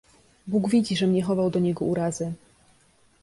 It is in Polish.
"Bóg widzi, żem nie chował do niego urazy."